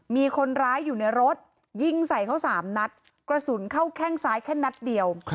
มีคนร้ายอยู่ในรถยิงใส่เขา๓นัดกระสุนเข้าแข้งซ้ายแค่นัดเดียว